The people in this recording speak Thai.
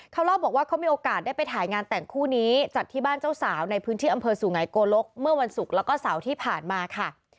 เขาเล่าบอกว่าเขามีโอกาสได้ไปถ่ายงานแต่งคู่นี้จัดที่บ้านเจ้าสาวในพื้นที่อำเภอสุไงโกลกเมื่อวันศุกร์แล้วก็เสาร์ที่ผ่านมาค่ะ